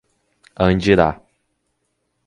Andirá